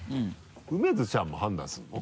梅津ちゃんも判断するの？